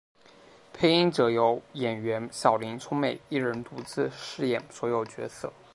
配音则由演员小林聪美一人独自饰演所有角色。